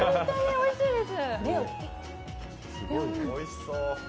おいしいです。